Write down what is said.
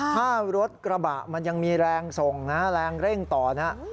ถ้ารถกระบะมันยังมีแรงส่งนะแรงเร่งต่อนะ